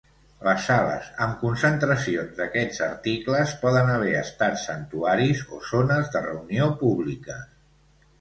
Les sales amb concentracions d'aquests articles poden haver estat santuaris o zones de reunió públiques.